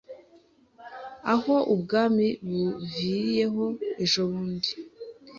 aho Ubwami buviriyeho ejobundi